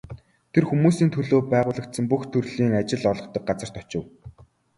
Тэр хүмүүсийн төлөө байгуулагдсан бүх төрлийн ажил олгодог газарт очив.